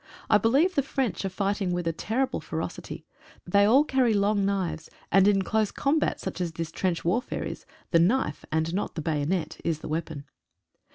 I believe the French are fighting with a terrible ferocity. They all carry long knives, and in close combat such as this trench warfare is, the knife, and not the bayonet is the weapon.